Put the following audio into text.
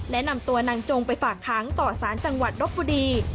และนำตัวนางจงไปฝากค้างต่อสารจังหวัดรบบุรี